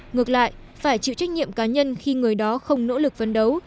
ngược lại phải chịu trách nhiệm cá nhân khi người đó không nỗ lực phấn đấu